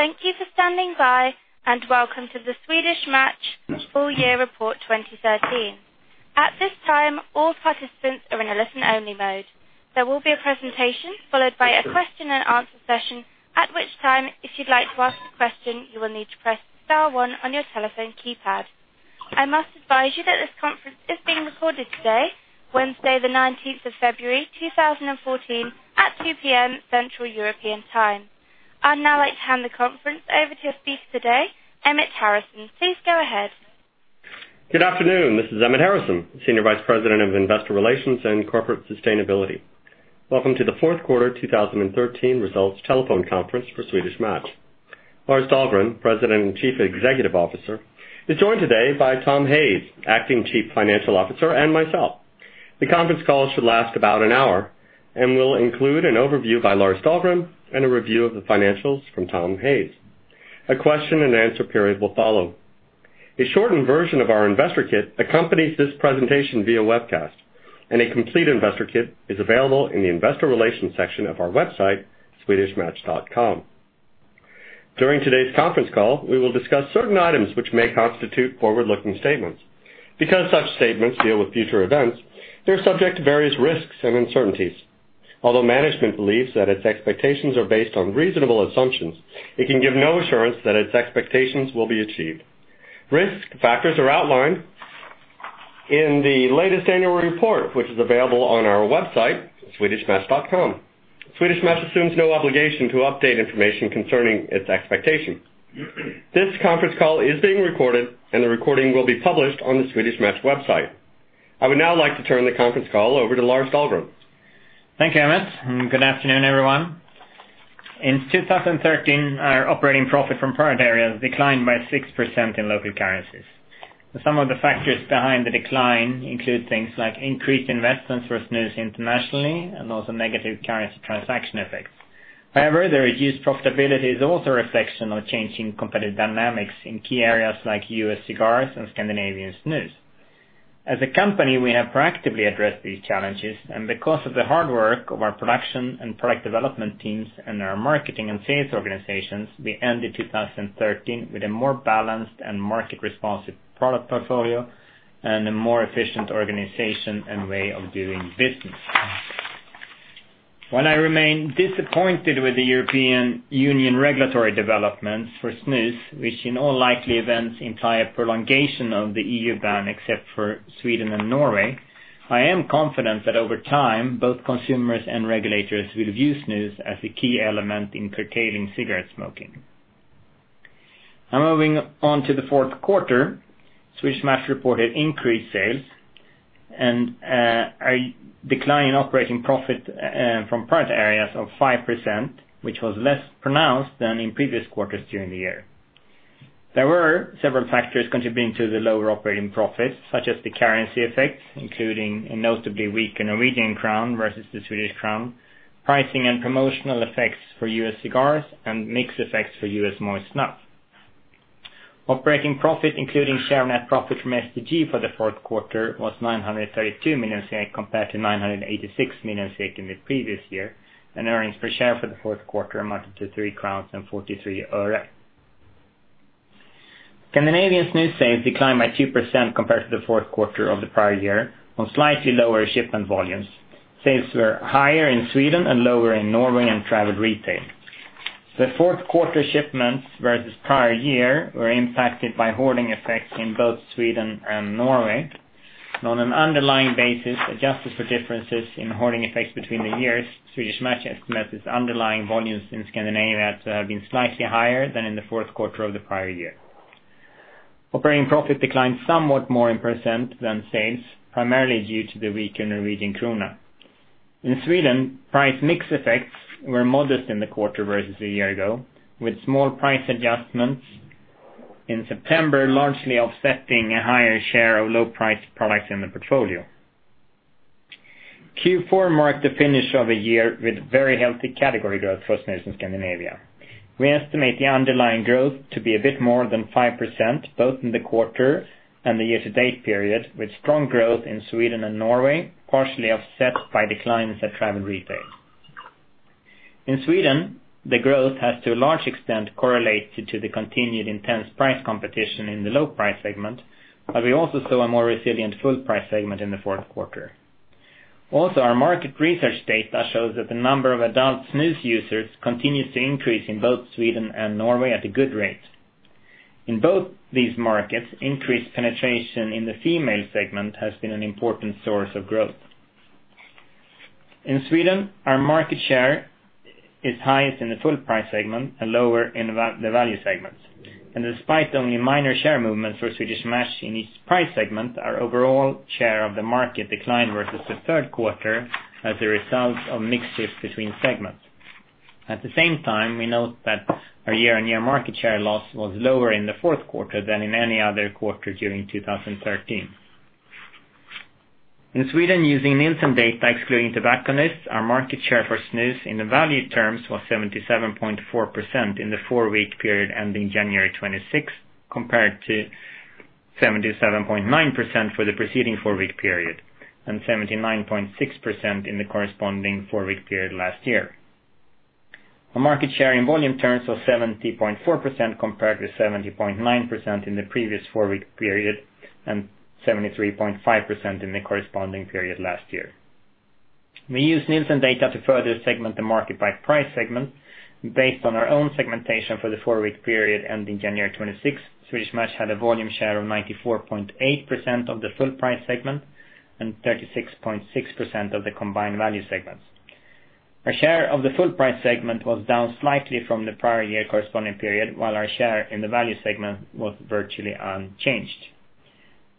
Thank you for standing by. Welcome to the Swedish Match full year report 2013. At this time, all participants are in a listen-only mode. There will be a presentation followed by a question and answer session, at which time, if you'd like to ask a question, you will need to press star one on your telephone keypad. I must advise you that this conference is being recorded today, Wednesday the 19th of February, 2014, at 2:00 P.M., Central European time. I'd now like to hand the conference over to our speaker today, Emmett Harrison. Please go ahead. Good afternoon. This is Emmett Harrison, Senior Vice President Investor Relations and Corporate Sustainability. Welcome to the fourth quarter 2013 results telephone conference for Swedish Match. Lars Dahlgren, President and Chief Executive Officer, is joined today by Tom Hayes, Acting Chief Financial Officer, and myself. The conference call should last about an hour and will include an overview by Lars Dahlgren and a review of the financials from Tom Hayes. A question and answer period will follow. A shortened version of our investor kit accompanies this presentation via webcast. A complete investor kit is available in the investor relations section of our website, swedishmatch.com. During today's conference call, we will discuss certain items which may constitute forward-looking statements. Such statements deal with future events. They're subject to various risks and uncertainties. Management believes that its expectations are based on reasonable assumptions. It can give no assurance that its expectations will be achieved. Risk factors are outlined in the latest annual report, which is available on our website, swedishmatch.com. Swedish Match assumes no obligation to update information concerning its expectations. This conference call is being recorded. The recording will be published on the Swedish Match website. I would now like to turn the conference call over to Lars Dahlgren. Thank you, Emmett. Good afternoon, everyone. In 2013, our operating profit from product areas declined by 6% in local currencies. Some of the factors behind the decline include things like increased investments for snus internationally. Also negative currency transaction effects. The reduced profitability is also a reflection of changing competitive dynamics in key areas like U.S. cigars and Scandinavian snus. As a company, we have proactively addressed these challenges. Because of the hard work of our production and product development teams and our marketing and sales organizations, we ended 2013 with a more balanced and market-responsive product portfolio and a more efficient organization and way of doing business. While I remain disappointed with the European Union regulatory developments for snus, which in all likely events imply a prolongation of the EU ban, except for Sweden and Norway, I am confident that over time, both consumers and regulators will view snus as a key element in curtailing cigarette smoking. Moving on to the fourth quarter, Swedish Match reported increased sales and a decline in operating profit from product areas of 5%, which was less pronounced than in previous quarters during the year. There were several factors contributing to the lower operating profits, such as the currency effect, including a notably weaker Norwegian krone versus the Swedish krone, pricing and promotional effects for US cigars, and mix effects for US moist snuff. Operating profit, including share net profit from STG for the fourth quarter was 932 million compared to 986 million in the previous year, and earnings per share for the fourth quarter amounted to 3.43 crowns. Scandinavian snus sales declined by 2% compared to the fourth quarter of the prior year on slightly lower shipment volumes. Sales were higher in Sweden and lower in Norway and travel retail. The fourth quarter shipments versus prior year were impacted by hoarding effects in both Sweden and Norway. On an underlying basis, adjusted for differences in hoarding effects between the years, Swedish Match estimates its underlying volumes in Scandinavia to have been slightly higher than in the fourth quarter of the prior year. Operating profit declined somewhat more in percent than sales, primarily due to the weaker Norwegian krone. In Sweden, price mix effects were modest in the quarter versus a year ago, with small price adjustments in September largely offsetting a higher share of low-priced products in the portfolio. Q4 marked the finish of a year with very healthy category growth for snus in Scandinavia. We estimate the underlying growth to be a bit more than 5%, both in the quarter and the year-to-date period, with strong growth in Sweden and Norway partially offset by declines at travel retail. In Sweden, the growth has to a large extent correlated to the continued intense price competition in the low price segment, we also saw a more resilient full price segment in the fourth quarter. Also, our market research data shows that the number of adult snus users continues to increase in both Sweden and Norway at a good rate. In both these markets, increased penetration in the female segment has been an important source of growth. In Sweden, our market share is highest in the full price segment and lower in the value segments. Despite only minor share movements for Swedish Match in each price segment, our overall share of the market declined versus the third quarter as a result of mix shifts between segments. At the same time, we note that our year-on-year market share loss was lower in the fourth quarter than in any other quarter during 2013. In Sweden, using Nielsen data excluding tobacconists, our market share for snus in the value terms was 77.4% in the four-week period ending January 26th, compared to 77.9% for the preceding four-week period and 79.6% in the corresponding four-week period last year. Our market share in volume terms was 70.4%, compared to 70.9% in the previous four-week period and 73.5% in the corresponding period last year. We use Nielsen data to further segment the market by price segment based on our own segmentation for the four-week period ending January 26th. Swedish Match had a volume share of 94.8% of the full-price segment and 36.6% of the combined value segments. Our share of the full-price segment was down slightly from the prior year corresponding period, while our share in the value segment was virtually unchanged.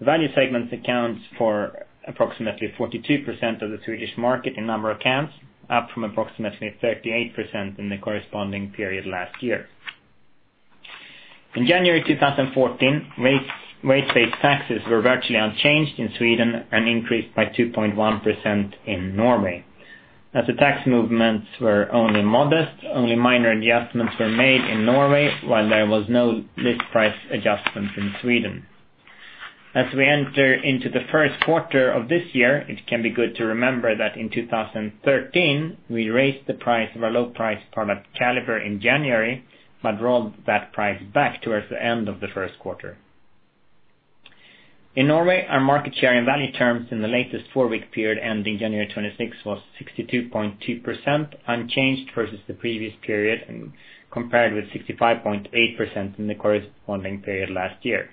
The value segments accounts for approximately 42% of the Swedish market in the number of cans, up from approximately 38% in the corresponding period last year. In January 2014, rate-based taxes were virtually unchanged in Sweden and increased by 2.1% in Norway. The tax movements were only modest, only minor adjustments were made in Norway, while there was no list price adjustment in Sweden. We enter into the first quarter of this year, it can be good to remember that in 2013, we raised the price of our low-price product, Kaliber, in January, but rolled that price back towards the end of the first quarter. In Norway, our market share and value terms in the latest four-week period ending January 26th was 62.2%, unchanged versus the previous period, compared with 65.8% in the corresponding period last year.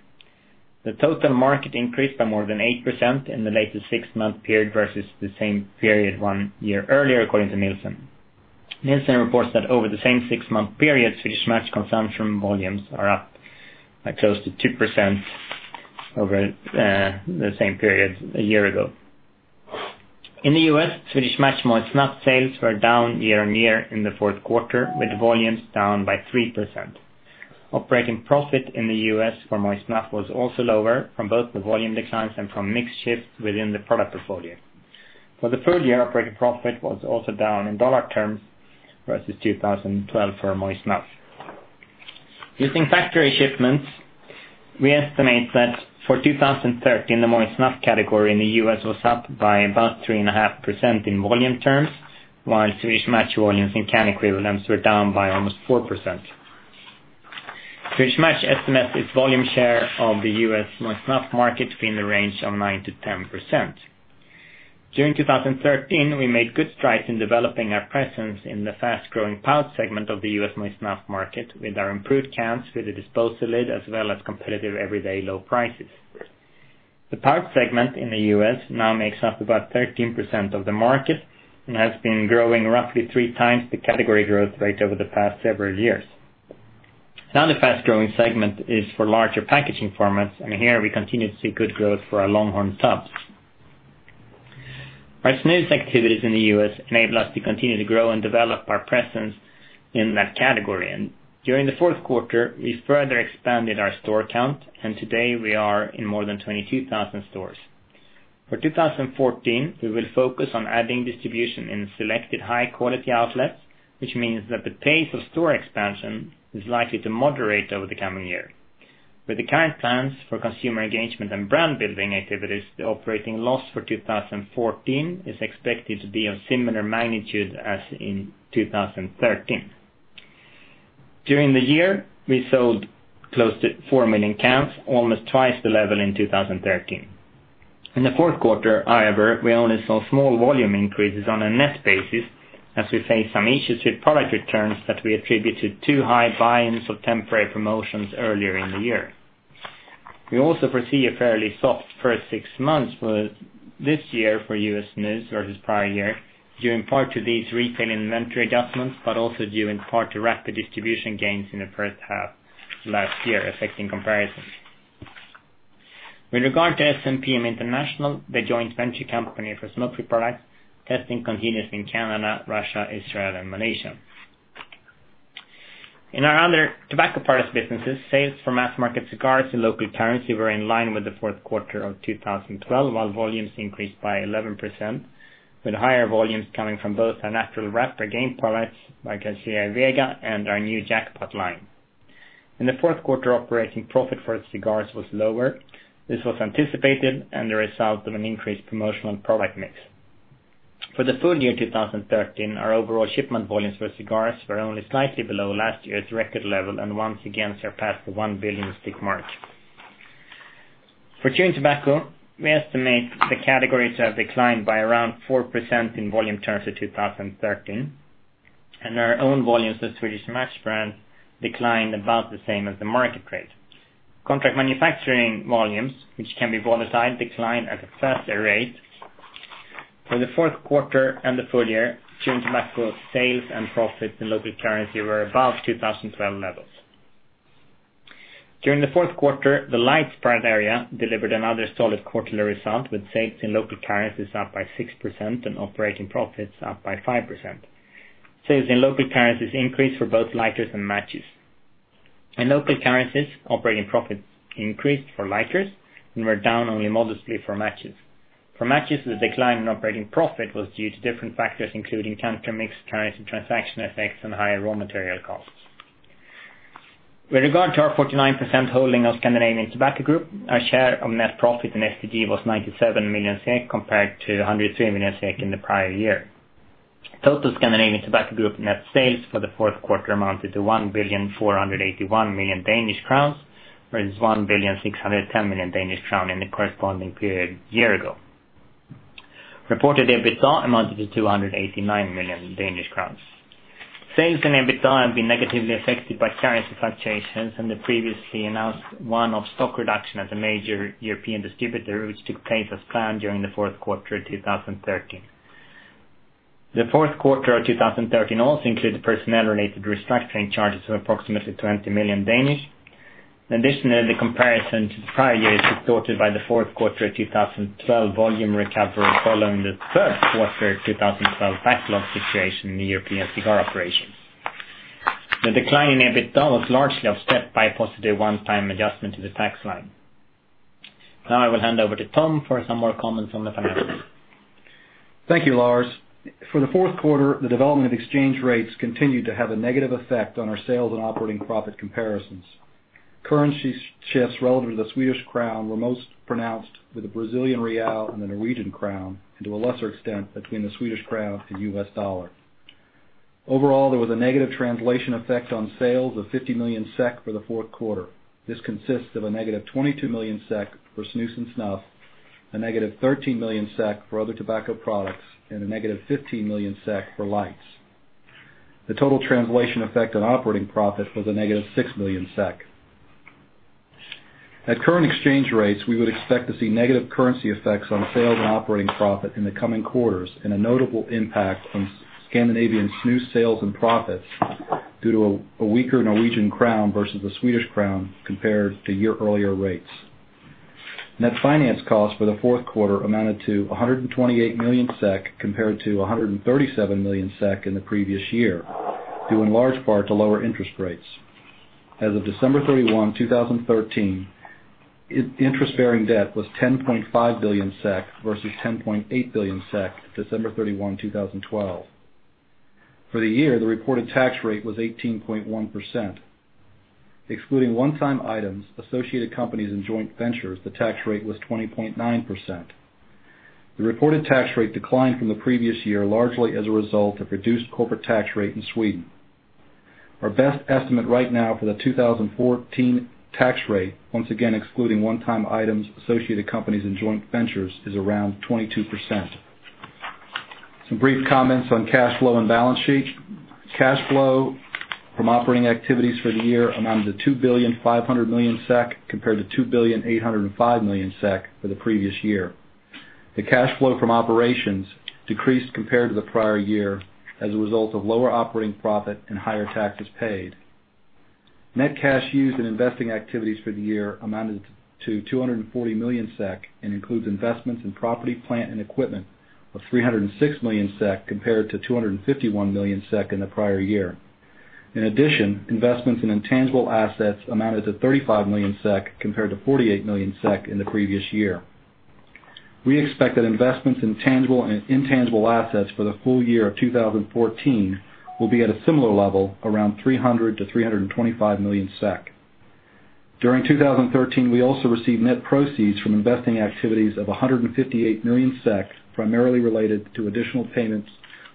The total market increased by more than 8% in the latest six-month period versus the same period one year earlier, according to Nielsen. Nielsen reports that over the same six-month period, Swedish Match consumption volumes are up by close to 2% over the same period a year ago. In the U.S., Swedish Match moist snus sales were down year-on-year in the fourth quarter, with volumes down by 3%. Operating profit in the U.S. for moist snus was also lower from both the volume declines and from mix shift within the product portfolio. For the full year, operating profit was also down in dollar terms versus 2012 for moist snus. Using factory shipments, we estimate that for 2013, the moist snus category in the U.S. was up by about 3.5% in volume terms, while Swedish Match volumes in can equivalents were down by almost 4%. Swedish Match estimates its volume share of the U.S. moist snuff market to be in the range of 9%-10%. During 2013, we made good strides in developing our presence in the fast-growing pouch segment of the U.S. moist snuff market with our improved cans with the disposal lid, as well as competitive everyday low prices. The pouch segment in the U.S. now makes up about 13% of the market and has been growing roughly three times the category growth rate over the past several years. The fast-growing segment is for larger packaging formats, and here we continue to see good growth for our Longhorn tubs. Our snus activities in the U.S. enable us to continue to grow and develop our presence in that category. During the fourth quarter, we further expanded our store count, and today we are in more than 22,000 stores. For 2014, we will focus on adding distribution in selected high-quality outlets, which means that the pace of store expansion is likely to moderate over the coming year. With the current plans for consumer engagement and brand-building activities, the operating loss for 2014 is expected to be of similar magnitude as in 2013. During the year, we sold close to 4 million cans, almost twice the level in 2013. In the fourth quarter, however, we only saw small volume increases on a net basis as we faced some issues with product returns that we attribute to too-high buy-ins of temporary promotions earlier in the year. We also foresee a fairly soft first six months for this year for US snus versus the prior year, due in part to these retail inventory adjustments, but also due in part to rapid distribution gains in the first half of last year affecting comparisons. With regard to SMPM International, the joint venture company for smoke-free products, testing continues in Canada, Russia, Israel, and Malaysia. In our other [tobacco-partisan] businesses, sales for mass-market cigars in local currency were in line with the fourth quarter of 2012, while volumes increased by 11%, with higher volumes coming from both our natural wrapper cigar products like La Aurora and our new Jackpot line. In the fourth quarter, operating profit for its cigars was lower. This was anticipated and the result of an increased promotional product mix. For the full year 2013, our overall shipment volumes for cigars were only slightly below last year's record level and once again surpassed the 1 billion stick mark. For chewing tobacco, we estimate the categories have declined by around 4% in volume terms for 2013, and our own volumes for Swedish Match brands declined about the same as the market rate. Contract manufacturing volumes, which can be put aside, declined at a faster rate. For the fourth quarter and the full year, chewing tobacco sales and profits in local currency were above 2012 levels. During the fourth quarter, the lights product area delivered another solid quarterly result, with sales in local currencies up by 6% and operating profits up by 5%. Sales in local currencies increased for both lighters and matches. In local currencies, operating profits increased for lighters and were down only modestly for matches. For matches, the decline in operating profit was due to different factors, including counter mix trends and transaction effects and higher raw material costs. With regard to our 49% holding of Scandinavian Tobacco Group, our share of net profit in STG was 97 million SEK compared to 103 million SEK in the prior year. Total Scandinavian Tobacco Group net sales for the fourth quarter amounted to 1,481,000,000 Danish crowns, whereas 1,610,000,000 Danish crowns in the corresponding period a year ago. Reported EBITDA amounted to 289 million Danish crowns. Sales and EBITDA have been negatively affected by currency fluctuations and the previously announced one-off stock reduction as a major European distributor, which took place as planned during the fourth quarter 2013. The fourth quarter of 2013 also included personnel-related restructuring charges of approximately 20 million. Additionally, comparison to the prior year is distorted by the fourth quarter of 2012 volume recovery following the third quarter of 2012 backlog situation in the European cigar operations. The decline in EBITDA was largely offset by a positive one-time adjustment to the tax line. Now I will hand over to Tom for some more comments on the financials. Thank you, Lars. For the fourth quarter, the development of exchange rates continued to have a negative effect on our sales and operating profit comparisons. Currency shifts relative to the Swedish crown were most pronounced with the Brazilian real and the Norwegian crown, and to a lesser extent, between the Swedish crown to U.S. dollar. Overall, there was a negative translation effect on sales of 50 million SEK for the fourth quarter. This consists of a negative 22 million SEK for snus and snuff, a negative 13 million SEK for other tobacco products, and a negative 15 million SEK for lights. The total translation effect on operating profit was a negative six million SEK. At current exchange rates, we would expect to see negative currency effects on sales and operating profit in the coming quarters and a notable impact on Scandinavian snus sales and profits due to a weaker Norwegian crown versus a Swedish crown compared to year-earlier rates. Net finance costs for the fourth quarter amounted to 128 million SEK compared to 137 million SEK in the previous year, due in large part to lower interest rates. As of December 31, 2013, interest-bearing debt was 10.5 billion SEK versus 10.8 billion SEK, December 31, 2012. For the year, the reported tax rate was 18.1%. Excluding one-time items, associated companies and joint ventures, the tax rate was 20.9%. The reported tax rate declined from the previous year, largely as a result of reduced corporate tax rate in Sweden. Our best estimate right now for the 2014 tax rate, once again, excluding one-time items, associated companies and joint ventures, is around 22%. Some brief comments on cash flow and balance sheet. Cash flow from operating activities for the year amounted to 2.5 billion, compared to 2.805 billion for the previous year. The cash flow from operations decreased compared to the prior year as a result of lower operating profit and higher taxes paid. Net cash used in investing activities for the year amounted to 240 million SEK and includes investments in property, plant, and equipment of 306 million SEK compared to 251 million SEK in the prior year. In addition, investments in intangible assets amounted to 35 million SEK compared to 48 million SEK in the previous year. We expect that investments in tangible and intangible assets for the full year of 2014 will be at a similar level, around 300 million-325 million SEK. During 2013, we also received net proceeds from investing activities of 158 million SEK, primarily related to additional payments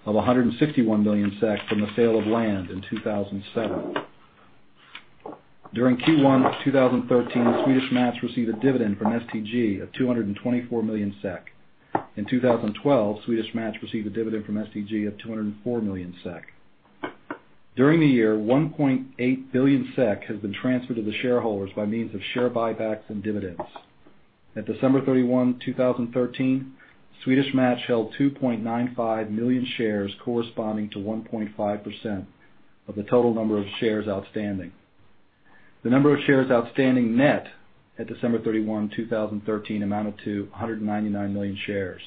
of 161 million SEK from the sale of land in 2007. During Q1 of 2013, Swedish Match received a dividend from STG of 224 million SEK. In 2012, Swedish Match received a dividend from STG of 204 million SEK. During the year, 1.8 billion SEK has been transferred to the shareholders by means of share buybacks and dividends. At December 31, 2013, Swedish Match held 2.95 million shares corresponding to 1.5% of the total number of shares outstanding. The number of shares outstanding net at December 31, 2013, amounted to 199 million shares.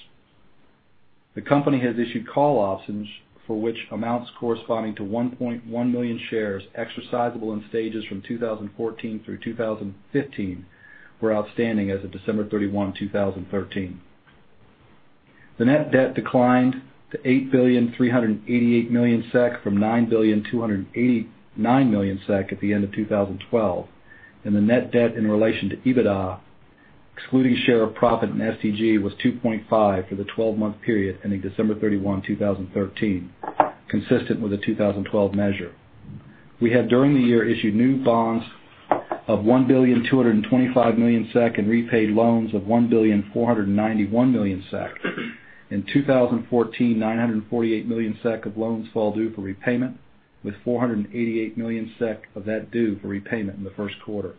The company has issued call options for which amounts corresponding to 1.1 million shares exercisable in stages from 2014 through 2015 were outstanding as of December 31, 2013. The net debt declined to 8,388,000,000 SEK from 9,289,000,000 SEK at the end of 2012, and the Net Debt to EBITDA, excluding share of profit in STG, was 2.5 for the 12-month period ending December 31, 2013, consistent with the 2012 measure. We have, during the year, issued new bonds of 1,225,000,000 SEK and repaid loans of 1,491,000,000 SEK. In 2014, 948,000,000 SEK of loans fall due for repayment, with 488,000,000 SEK of that due for repayment in the first quarter.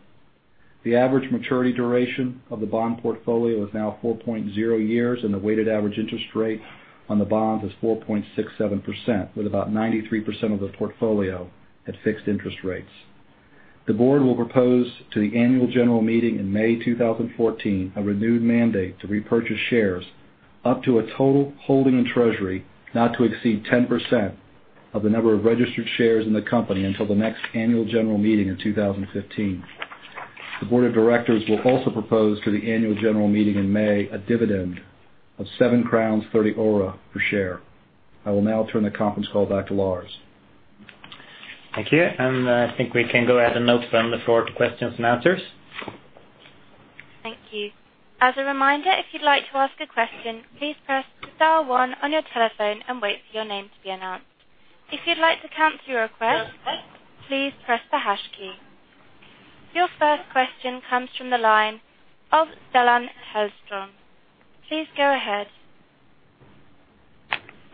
The average maturity duration of the bond portfolio is now 4.0 years, and the weighted average interest rate on the bonds is 4.67%, with about 93% of the portfolio at fixed interest rates. The board will propose to the annual general meeting in May 2014 a renewed mandate to repurchase shares up to a total holding in Treasury not to exceed 10% of the number of registered shares in the company until the next annual general meeting in 2015. The board of directors will also propose to the annual general meeting in May a dividend of 7.30 crowns per share. I will now turn the conference call back to Lars. Thank you. I think we can go ahead and open the floor to questions and answers. Thank you. As a reminder, if you'd like to ask a question, please press star one on your telephone and wait for your name to be announced. If you'd like to cancel your request, please press the hash key. Your first question comes from the line of Stellan Hellström. Please go ahead.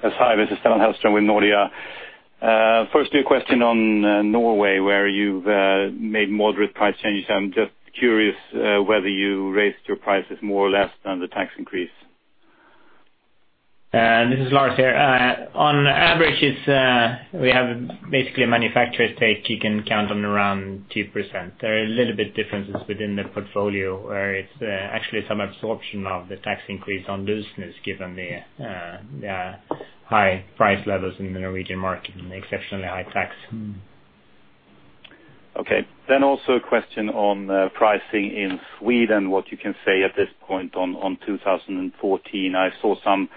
Yes. Hi, this is Stellan Hellström with Nordea. Firstly, a question on Norway, where you've made moderate price changes. I'm just curious whether you raised your prices more or less than the tax increase. This is Lars here. On average, we have basically a manufacturer's take. You can count on around 2%. There are a little bit differences within the portfolio where it's actually some absorption of the tax increase on loose snus given the high price levels in the Norwegian market and the exceptionally high tax. Okay. Also a question on pricing in Sweden, what you can say at this point on 2014. I saw some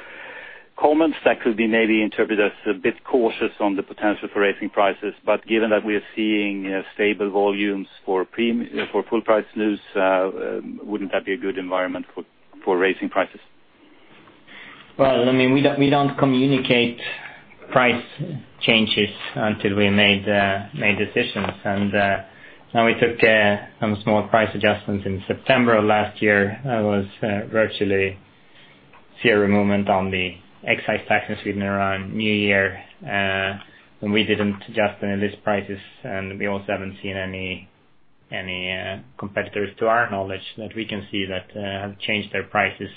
comments that could be maybe interpreted as a bit cautious on the potential for raising prices. Given that we are seeing stable volumes for full price loose, wouldn't that be a good environment for raising prices? We don't communicate price changes until we made decisions. Now we took some small price adjustments in September of last year. There was virtually zero movement on the excise tax in Sweden around New Year. We didn't adjust any of these prices, and we also haven't seen any competitors to our knowledge that we can see that have changed their prices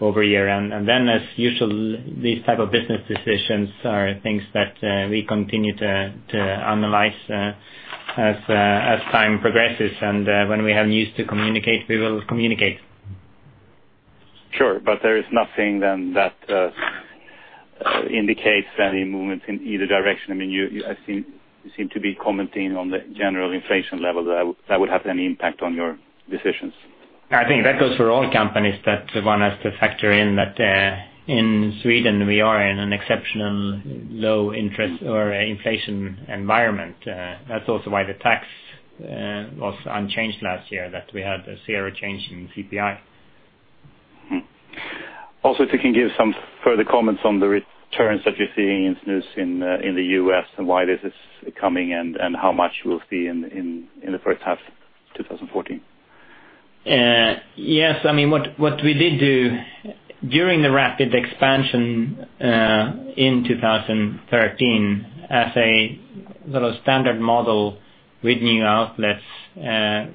over year-end. As usual, these type of business decisions are things that we continue to analyze as time progresses. When we have news to communicate, we will communicate. Sure. There is nothing then that indicates any movement in either direction. You seem to be commenting on the general inflation level that would have any impact on your decisions. I think that goes for all companies that one has to factor in that in Sweden, we are in an exceptional low interest or inflation environment. That's also why the tax was unchanged last year, that we had a zero change in CPI. Also, if you can give some further comments on the returns that you're seeing in snus in the U.S. and why this is coming in and how much we'll see in the first half 2014. Yes. What we did do during the rapid expansion in 2013 as a little standard model with new outlets,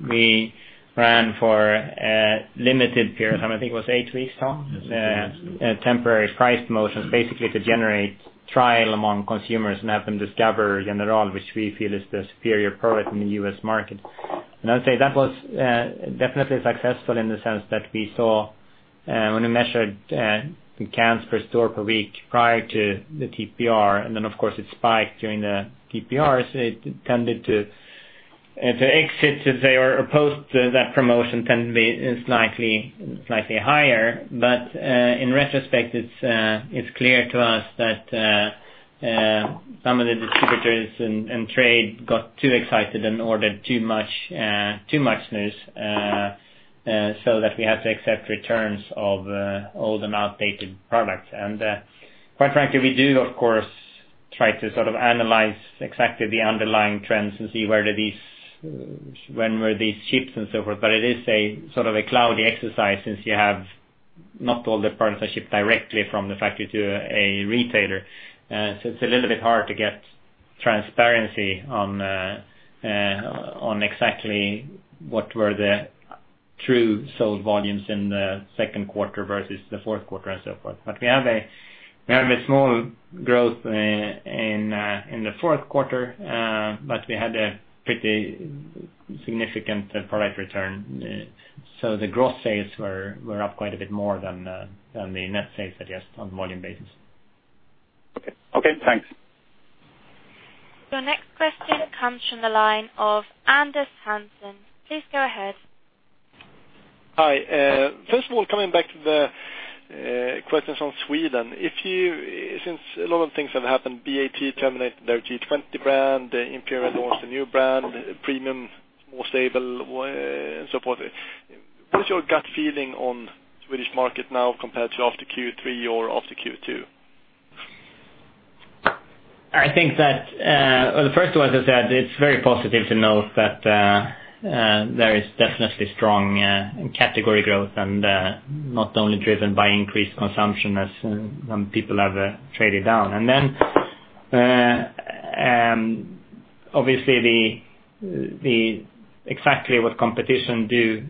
we ran for a limited period, I think it was eight weeks total? Yes, eight weeks. A temporary price motion basically to generate trial among consumers and have them discover General, which we feel is the superior product in the U.S. market. I'd say that was definitely successful in the sense that we saw when we measured the cans per store per week prior to the TPR, then of course it spiked during the TPR. It tended to exit, or post that promotion tended be slightly higher. In retrospect, it's clear to us that some of the distributors and trade got too excited and ordered too much snus, that we had to accept returns of old and outdated product. Quite frankly, we do of course, try to sort of analyze exactly the underlying trends and see when were these ships and so forth. It is a sort of a cloudy exercise since you have not all the products are shipped directly from the factory to a retailer. It's a little bit hard to get transparency on exactly what were the true sold volumes in the second quarter versus the fourth quarter and so forth. We have a small growth in the fourth quarter. We had a pretty significant product return. The growth sales were up quite a bit more than the net sales, I guess, on volume basis. Okay, thanks. Your next question comes from the line of Anders Hansson. Please go ahead. Hi. First of all, coming back to the questions on Sweden. A lot of things have happened, BAT terminated their [inaudible] brand, Imperial launched a new brand, Premium, more stable and so forth. What is your gut feeling on Swedish market now compared to after Q3 or after Q2? The first one, as I said, it's very positive to note that there is definitely strong category growth and not only driven by increased consumption as some people have traded down. Obviously exactly what competition do,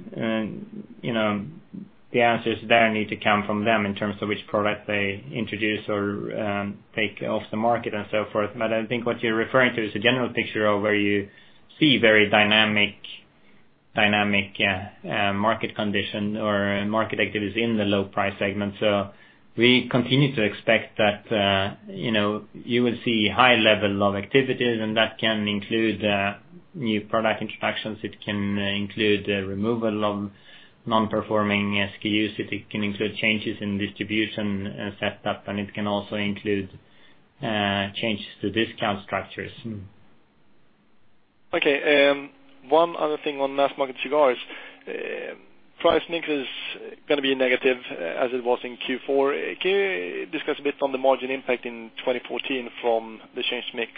the answers there need to come from them in terms of which product they introduce or take off the market and so forth. I think what you're referring to is a general picture of where you see very dynamic market condition or market activities in the low price segment. We continue to expect that you will see high level of activities and that can include new product introductions. It can include removal of non-performing SKUs, it can include changes in distribution setup, and it can also include changes to discount structures. Okay. One other thing on mass market cigars. Price mix is going to be negative as it was in Q4. Can you discuss a bit on the margin impact in 2014 from the changed mix?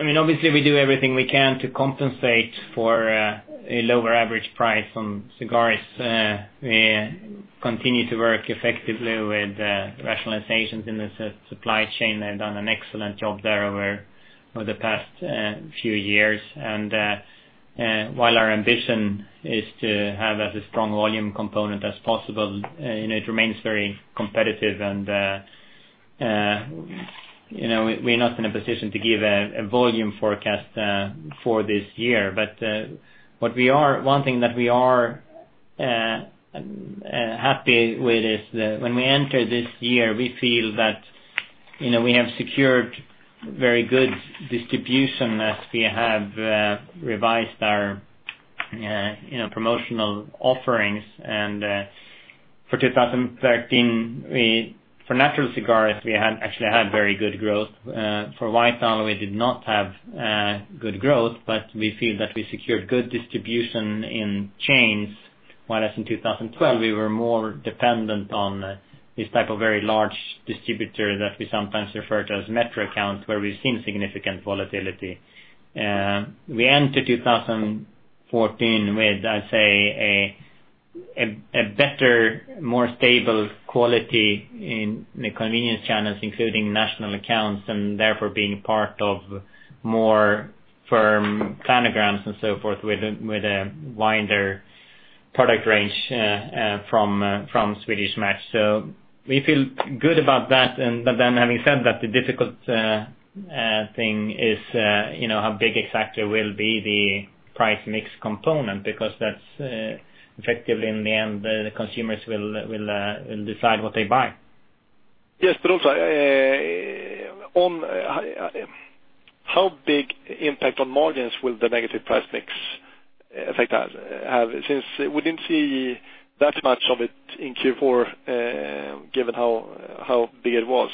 Obviously, we do everything we can to compensate for a lower average price on cigars. We continue to work effectively with rationalizations in the supply chain, have done an excellent job there over the past few years. While our ambition is to have as a strong volume component as possible, it remains very competitive and we're not in a position to give a volume forecast for this year. One thing that we are happy with is that when we enter this year, we feel that we have secured very good distribution as we have revised our promotional offerings. For 2013, for natural cigars, we actually had very good growth. For White Owl, we did not have good growth, but we feel that we secured good distribution in chains. Whereas in 2012, we were more dependent on this type of very large distributor that we sometimes refer to as metro accounts, where we've seen significant volatility. We enter 2014 with, I'd say, a better, more stable quality in the convenience channels, including national accounts, and therefore being part of more firm planograms and so forth with a wider product range from Swedish Match. We feel good about that. Having said that, the difficult thing is how big exactly will be the price mix component, because that's effectively in the end, the consumers will decide what they buy. Yes. Also, how big impact on margins will the negative price mix effect have? Since we didn't see that much of it in Q4, given how big it was.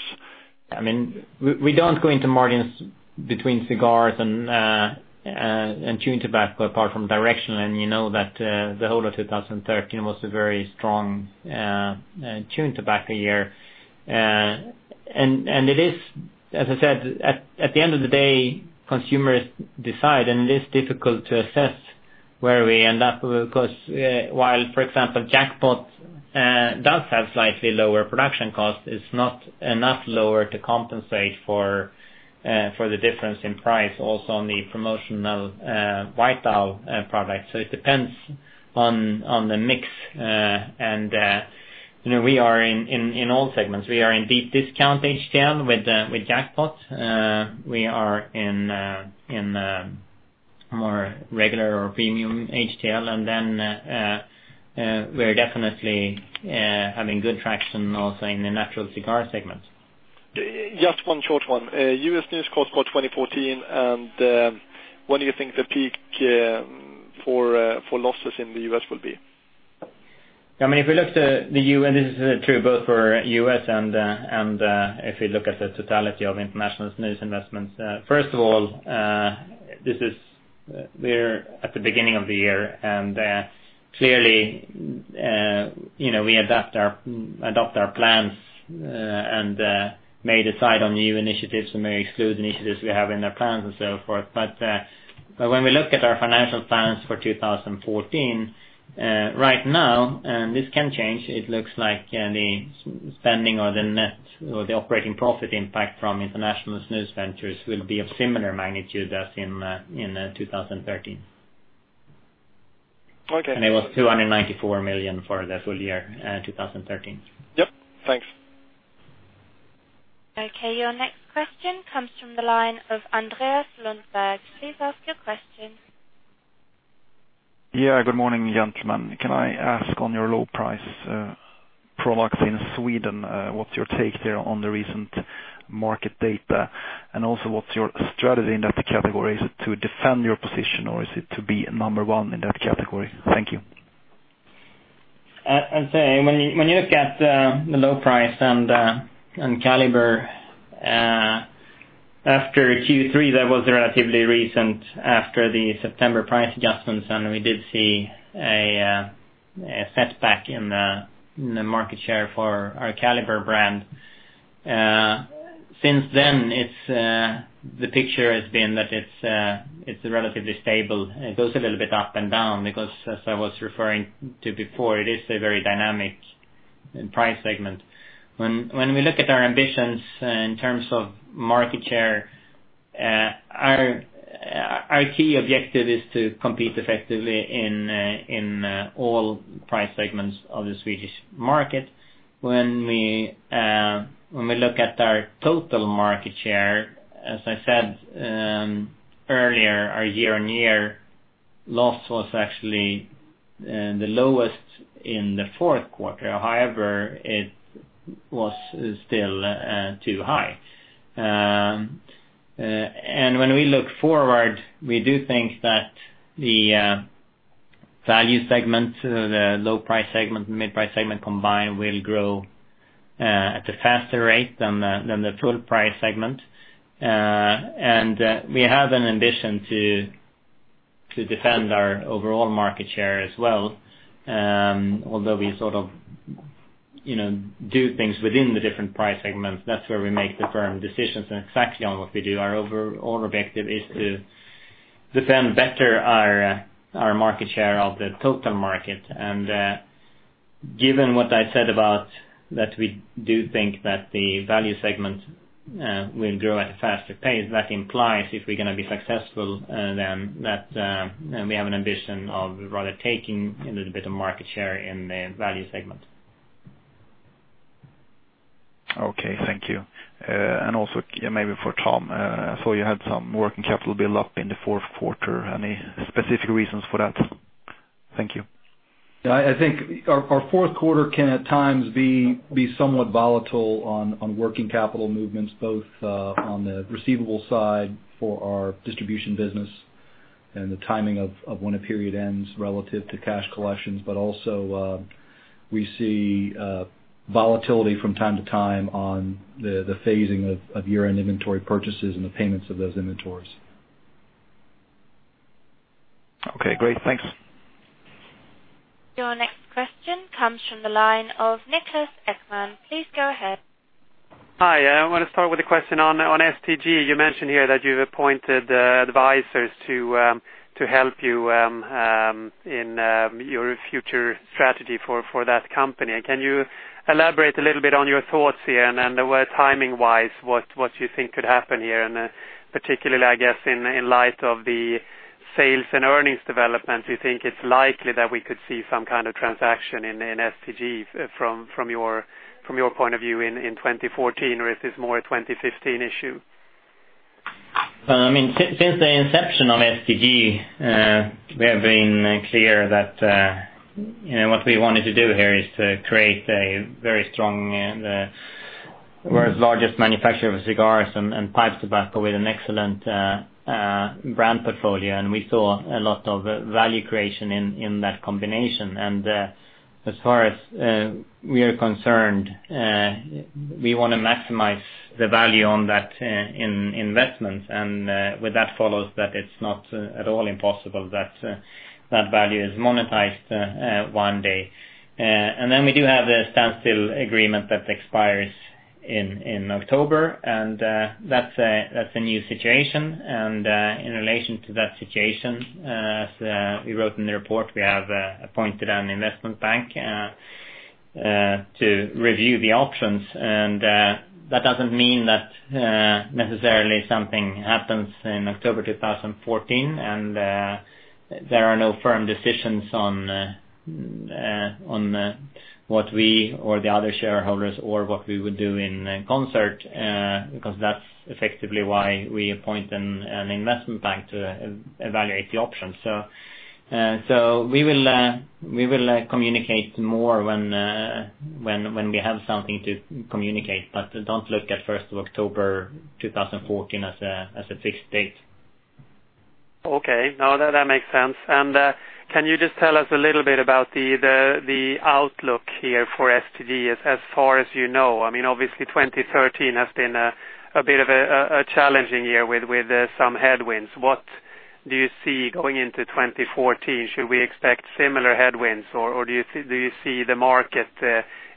We don't go into margins between cigars and chewing tobacco, apart from direction. You know that the whole of 2013 was a very strong chewing tobacco year. It is, as I said, at the end of the day, consumers decide, and it is difficult to assess where we end up. While, for example, Jackpot does have slightly lower production cost, it's not enough lower to compensate for the difference in price also on the promotional White Owl product. It depends on the mix. We are in all segments. We are in deep discount HTL with Jackpot. We are in more regular or premium HTL. Then we're definitely having good traction also in the natural cigar segment. Just one short one. U.S. snus cost for 2014, when do you think the peak for losses in the U.S. will be? If we look to the U.S., this is true both for U.S. if we look at the totality of international snus investments. First of all, we're at the beginning of the year, clearly we adopt our plans and may decide on new initiatives. We may exclude initiatives we have in our plans and so forth. When we look at our financial plans for 2014, right now, this can change, it looks like the spending or the net or the operating profit impact from international snus ventures will be of similar magnitude as in 2013. Okay. It was 294 million for the full year 2013. Yep. Thanks. Okay. Your next question comes from the line of Andreas Lundberg. Please ask your question. Yeah. Good morning, gentlemen. Can I ask on your low price products in Sweden, what's your take there on the recent market data? What's your strategy in that category? Is it to defend your position or is it to be number one in that category? Thank you. I'd say when you look at the low price and Kaliber, after Q3, that was relatively recent after the September price adjustments, and we did see a setback in the market share for our Kaliber brand. Since then, the picture has been that it's relatively stable. It goes a little bit up and down because as I was referring to before, it is a very dynamic price segment. When we look at our ambitions in terms of market share, our key objective is to compete effectively in all price segments of the Swedish market. When we look at our total market share, as I said earlier, our year-on-year loss was actually the lowest in the fourth quarter. However, it was still too high. When we look forward, we do think that the value segment, the low price segment, mid-price segment combined will grow at a faster rate than the full price segment. We have an ambition to defend our overall market share as well, although we sort of do things within the different price segments. That's where we make the firm decisions on exactly on what we do. Our overall objective is to defend better our market share of the total market. Given what I said about that we do think that the value segment will grow at a faster pace. That implies if we're going to be successful, then we have an ambition of rather taking a little bit of market share in the value segment. Okay, thank you. Also, maybe for Tom, I saw you had some working capital build up in the fourth quarter. Any specific reasons for that? Thank you. I think our fourth quarter can at times be somewhat volatile on working capital movements both on the receivable side for our distribution business and the timing of when a period ends relative to cash collections. Also, we see volatility from time to time on the phasing of year-end inventory purchases and the payments of those inventories. Okay, great. Thanks. Your next question comes from the line of Niklas Ekman. Please go ahead. Hi, I want to start with a question on STG. You mentioned here that you've appointed advisors to help you in your future strategy for that company. Can you elaborate a little bit on your thoughts here, and where timing-wise, what you think could happen here? Particularly, I guess, in light of the sales and earnings development, do you think it's likely that we could see some kind of transaction in STG from your point of view in 2014? If it's more a 2015 issue? Since the inception of STG, we have been clear that what we wanted to do here is to create a very strong, world's largest manufacturer of cigars and pipe tobacco with an excellent brand portfolio. We saw a lot of value creation in that combination. As far as we are concerned, we want to maximize the value on that investment. With that follows that it's not at all impossible that that value is monetized one day. Then we do have a standstill agreement that expires in October, and that's a new situation. In relation to that situation, as we wrote in the report, we have appointed an investment bank to review the options. That doesn't mean that necessarily something happens in October 2014. There are no firm decisions on what we or the other shareholders or what we would do in concert, because that's effectively why we appoint an investment bank to evaluate the options. We will communicate more when we have something to communicate. Don't look at 1st of October 2014 as a fixed date. Okay. No, that makes sense. Can you just tell us a little bit about the outlook here for STG as far as you know? Obviously, 2013 has been a bit of a challenging year with some headwinds. What do you see going into 2014? Should we expect similar headwinds, or do you see the market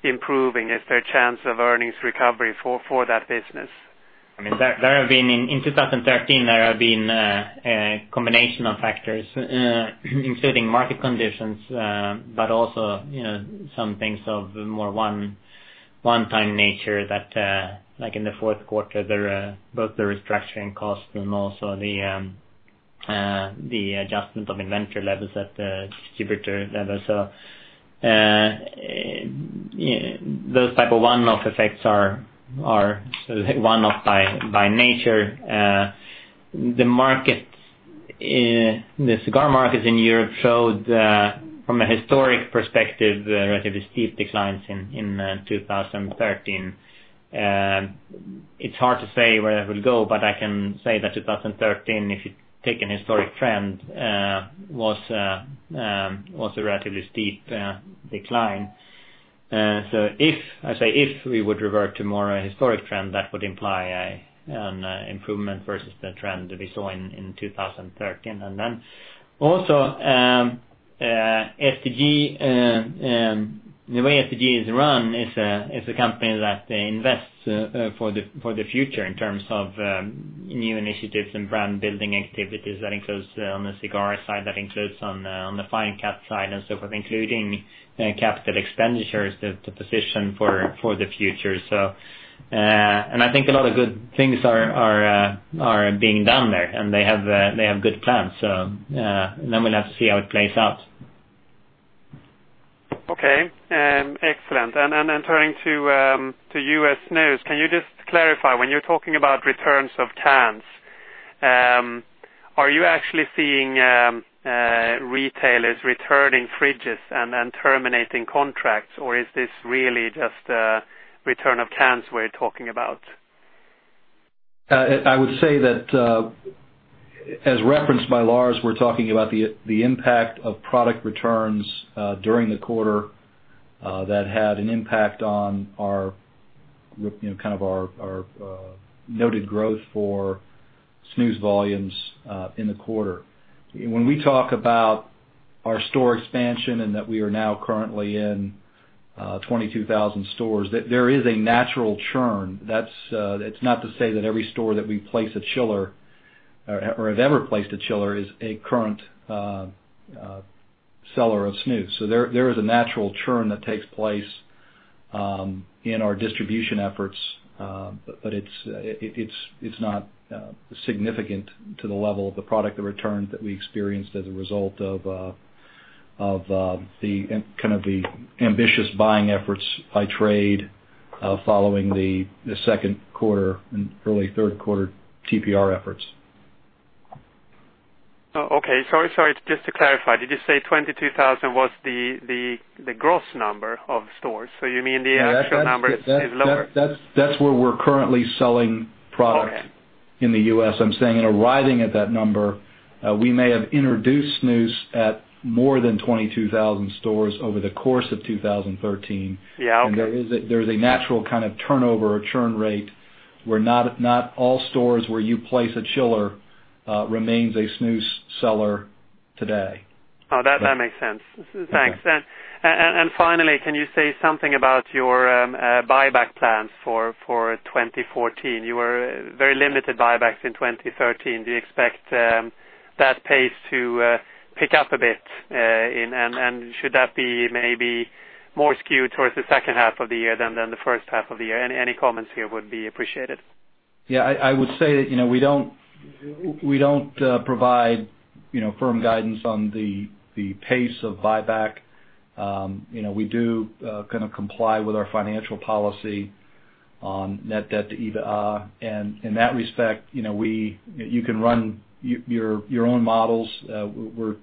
improving? Is there a chance of earnings recovery for that business? In 2013, there have been a combination of factors including market conditions, but also some things of more one-time nature that, like in the fourth quarter, both the restructuring costs and also the adjustment of inventory levels at the distributor level. Those type of one-off effects are one-off by nature. The cigar markets in Europe showed, from a historic perspective, relatively steep declines in 2013. It's hard to say where that will go, but I can say that 2013, if you take an historic trend, was a relatively steep decline. If, I say if, we would revert to more a historic trend, that would imply an improvement versus the trend that we saw in 2013. Also STG, the way STG is run is a company that invests for the future in terms of new initiatives and brand building activities. That includes on the cigar side, that includes on the fine cut side and so forth, including capital expenditures to position for the future. I think a lot of good things are being done there, and they have good plans. We'll have to see how it plays out. Okay. Excellent. Turning to US snus, can you just clarify, when you're talking about returns of cans, are you actually seeing retailers returning fridges and terminating contracts, or is this really just a return of cans we're talking about? I would say that, as referenced by Lars, we're talking about the impact of product returns during the quarter that had an impact on our noted growth for snus volumes in the quarter. When we talk about our store expansion and that we are now currently in 22,000 stores, there is a natural churn. That's not to say that every store that we place a chiller or have ever placed a chiller is a current seller of snus. There is a natural churn that takes place in our distribution efforts, but it's not significant to the level of the product returns that we experienced as a result of the ambitious buying efforts by trade following the second quarter and early third quarter TPR efforts. Okay. Sorry. Just to clarify, did you say 22,000 was the gross number of stores? You mean the actual number is lower? That's where we're currently selling product. Okay in the U.S. I'm saying in arriving at that number, we may have introduced snus at more than 22,000 stores over the course of 2013. Yeah, okay. There is a natural kind of turnover or churn rate where not all stores where you place a chiller remains a snus seller today. Oh, that makes sense. Thanks. Okay. Finally, can you say something about your buyback plans for 2014? You were very limited buybacks in 2013. Do you expect that pace to pick up a bit? Should that be maybe more skewed towards the second half of the year than the first half of the year? Any comments here would be appreciated. Yeah. I would say that we don't provide firm guidance on the pace of buyback. We do comply with our financial policy on Net Debt to EBITDA. In that respect, you can run your own models. We're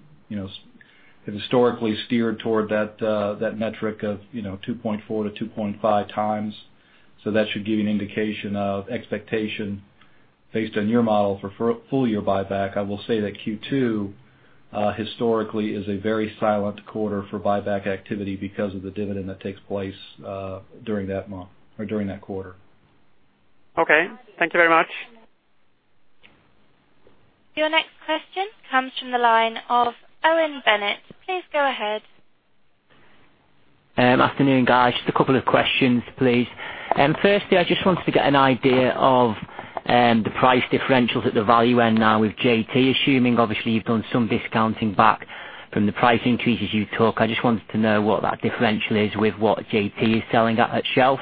historically steered toward that metric of 2.4 to 2.5 times. That should give you an indication of expectation based on your model for full year buyback. I will say that Q2 historically is a very silent quarter for buyback activity because of the dividend that takes place during that month or during that quarter. Okay. Thank you very much. Your next question comes from the line of Owen Bennett. Please go ahead. Afternoon, guys. Just a couple of questions, please. Firstly, I just wanted to get an idea of the price differentials at the value end now with JT. Assuming obviously you've done some discounting back from the price increases you took. I just wanted to know what that differential is with what JT is selling at shelf.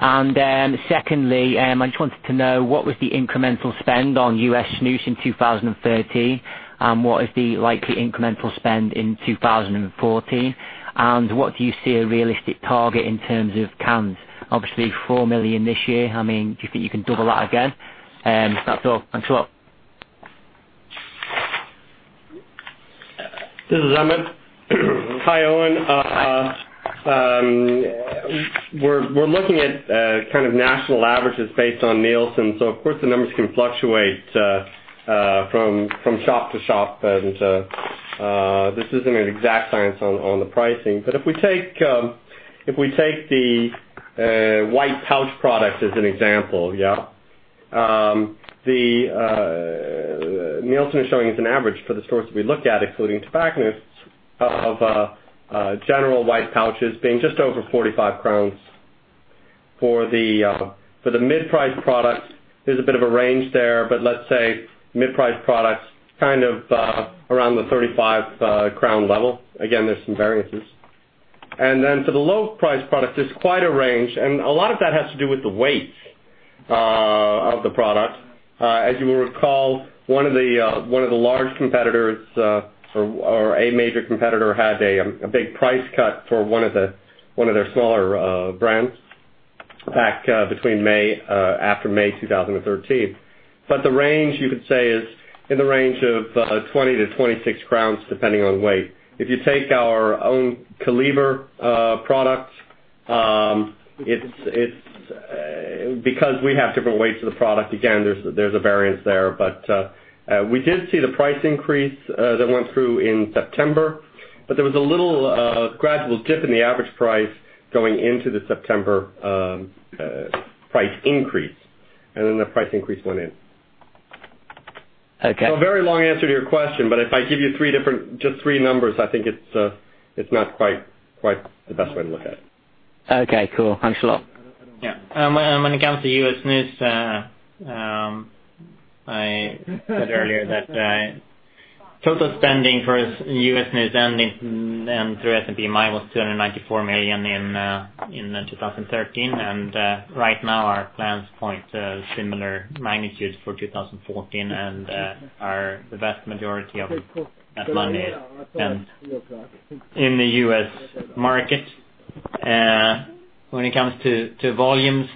Secondly, I just wanted to know what was the incremental spend on US snus in 2013, and what is the likely incremental spend in 2014, and what do you see a realistic target in terms of cans? Obviously, 4 million this year. Do you think you can double that again? That's all. Thanks a lot. This is Emmett. Hi, Owen. Of course, the numbers can fluctuate from shop to shop, and this isn't an exact science on the pricing. If we take the white pouch product as an example, yeah? Nielsen is showing us an average for the stores that we look at, including tobacco of General white pouches being just over 45 crowns. For the mid-price product, there's a bit of a range there, but let's say mid-price products around the 35 crown level. Again, there's some variances. Then for the low price product, there's quite a range, and a lot of that has to do with the weight of the product. As you will recall, one of the large competitors or a major competitor had a big price cut for one of their smaller brands back after May 2013. The range, you could say, is in the range of 20-26 crowns, depending on weight. If you take our own Kaliber product, because we have different weights of the product, again, there's a variance there. We did see the price increase that went through in September. There was a little gradual dip in the average price going into the September price increase, then the price increase went in. Okay. A very long answer to your question, if I give you just three numbers, I think it's not quite the best way to look at it. Okay, cool. Thanks a lot. Yeah. When it comes to U.S. snus, I said earlier that total spending for U.S. snus ending and through SMPM was 294 million in 2013. Right now our plans point similar magnitudes for 2014 and the vast majority of that money spent in the U.S. market. When it comes to volumes,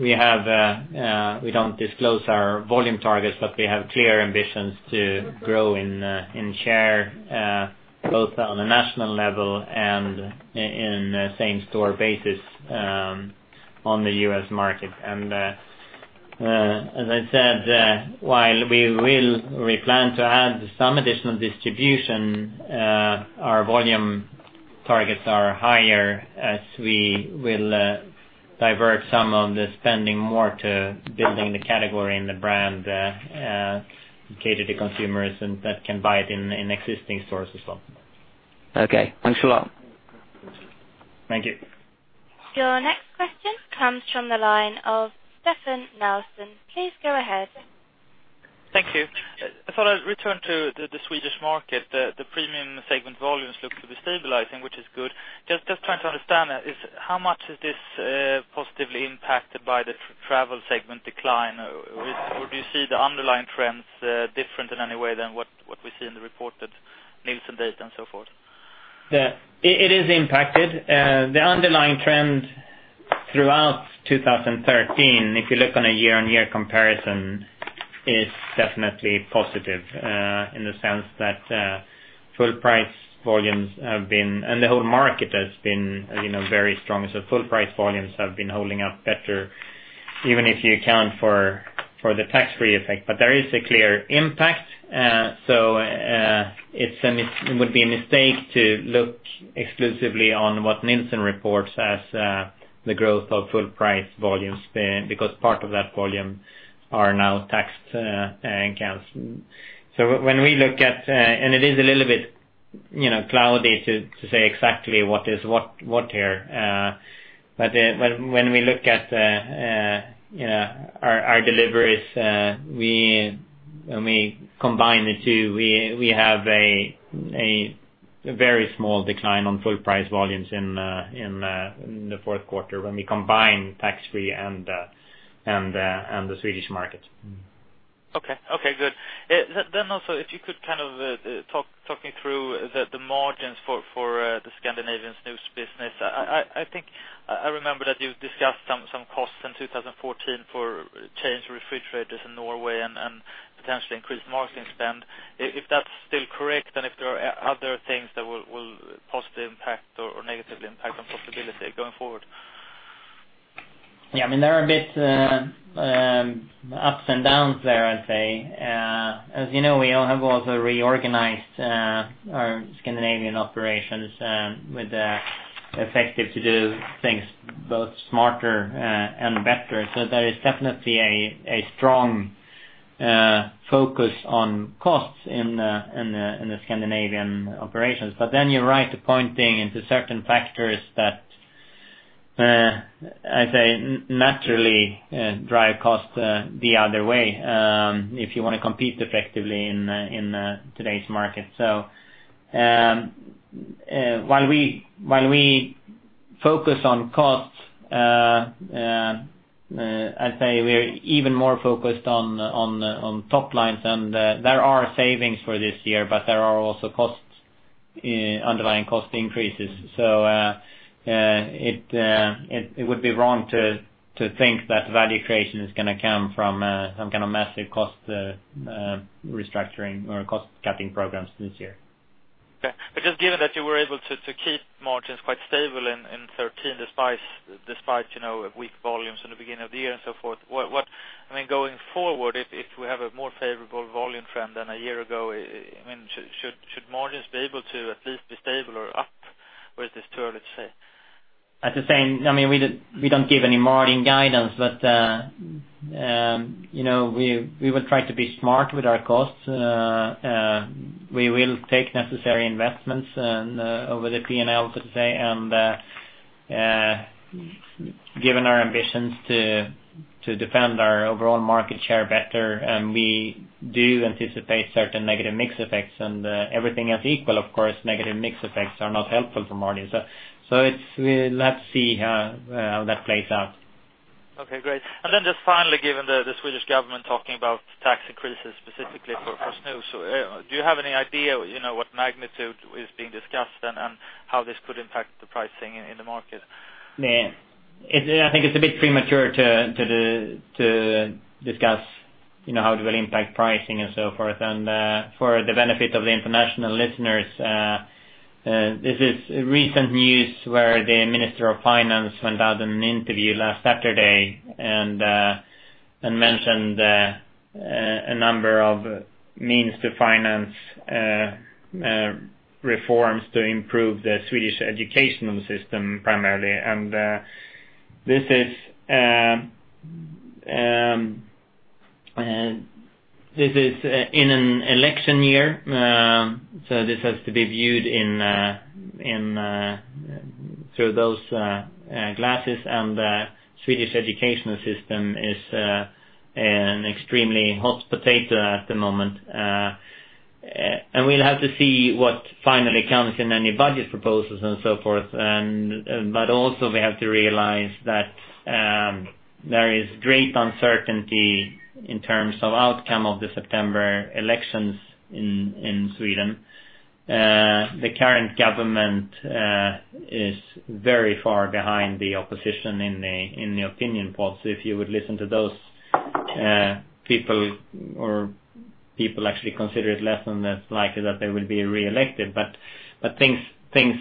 we don't disclose our volume targets, but we have clear ambitions to grow and share both on a national level and in a same-store basis on the U.S. market. As I said, while we plan to add some additional distribution, our volume targets are higher as we will divert some of the spending more to building the category and the brand, cater to consumers, and that can buy it in existing stores as well. Okay. Thanks a lot. Thank you. Your next question comes from the line of Stefan Nelson. Please go ahead. Thank you. I thought I'd return to the Swedish market. The premium segment volumes look to be stabilizing, which is good. Just trying to understand, how much is this positively impacted by the travel segment decline? Do you see the underlying trends different in any way than what we see in the reported Nielsen data and so forth? It is impacted. The underlying trend throughout 2013, if you look on a year-on-year comparison, is definitely positive in the sense that full price volumes have been, and the whole market has been very strong. Full price volumes have been holding up better, even if you account for the tax-free effect. There is a clear impact. It would be a mistake to look exclusively on what Nielsen reports as the growth of full price volumes, because part of that volume are now taxed accounts. It is a little bit cloudy to say exactly what is what here. When we look at our deliveries, when we combine the two, we have a very small decline on full price volumes in the fourth quarter when we combine tax-free and the Swedish market. Okay, good. Also, if you could talk me through the margins for the Scandinavian snus business. I think I remember that you discussed some costs in 2014 for change refrigerators in Norway and potentially increased marketing spend. If that's still correct, and if there are other things that will positively impact or negatively impact on profitability going forward. Yeah, there are a bit ups and downs there, I'd say. As you know, we have also reorganized our Scandinavian operations with effective to do things both smarter and better. There is definitely a strong focus on costs in the Scandinavian operations. You're right to pointing to certain factors that, I'd say, naturally drive costs the other way, if you want to compete effectively in today's market. While we focus on costs, I'd say we're even more focused on top lines, and there are savings for this year, but there are also underlying cost increases. It would be wrong to think that value creation is going to come from some kind of massive cost restructuring or cost cutting programs this year. Okay. Just given that you were able to keep margins quite stable in 2013, despite weak volumes in the beginning of the year and so forth, going forward, if we have a more favorable volume trend than a year ago, should margins be able to at least be stable or up this year, let's say? As I was saying, we don't give any margin guidance, we will try to be smart with our costs. We will take necessary investments over the P&L, let's say, given our ambitions to defend our overall market share better, we do anticipate certain negative mix effects and everything else equal, of course, negative mix effects are not helpful for margins. Let's see how that plays out. Okay, great. Just finally, given the Swedish government talking about tax increases specifically for snus, do you have any idea what magnitude is being discussed and how this could impact the pricing in the market? I think it's a bit premature to discuss how it will impact pricing and so forth. For the benefit of the international listeners, this is recent news where the Minister of Finance went out in an interview last Saturday and mentioned a number of means to finance reforms to improve the Swedish educational system primarily. This is in an election year, so this has to be viewed through those glasses, and the Swedish educational system is an extremely hot potato at the moment. We'll have to see what finally comes in any budget proposals and so forth. Also we have to realize that there is great uncertainty in terms of outcome of the September elections in Sweden. The current government is very far behind the opposition in the opinion polls. If you would listen to those people, or people actually consider it less than less likely that they will be reelected. Things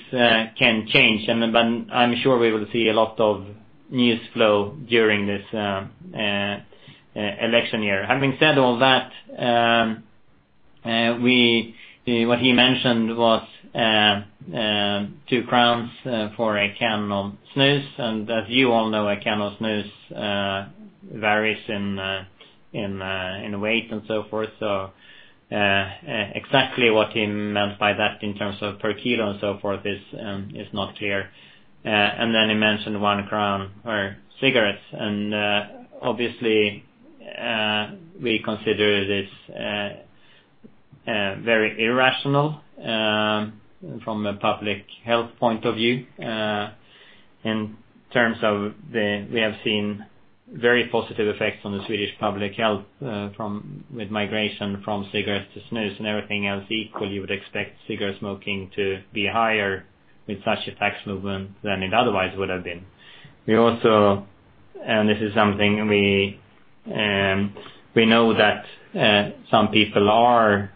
can change, but I'm sure we will see a lot of news flow during this election year. Having said all that, what he mentioned was 2 crowns for a can of snus. As you all know, a can of snus varies in weight and so forth. Exactly what he meant by that in terms of per kilo and so forth is not clear. Then he mentioned 1 crown for cigarettes. Obviously, we consider this very irrational from a public health point of view. We have seen very positive effects on the Swedish public health with migration from cigarettes to snus and everything else equal, you would expect cigarette smoking to be higher with such a tax movement than it otherwise would have been. We also, this is something we know that some people are